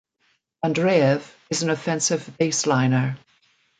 Andreev is an offensive baseliner.